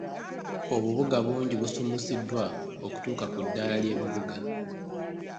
Obubuga bungi busuumuusiddwa okutuuka ku ddaala ly'ebibuga.